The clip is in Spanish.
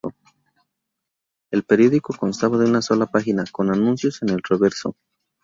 El periódico constaba de una sola página, con anuncios en el reverso.